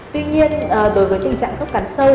tuy nhiên đối với tình trạng khớp cắn sâu